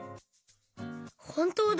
ほんとうだ。